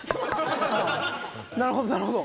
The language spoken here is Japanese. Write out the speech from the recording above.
なるほど、なるほど。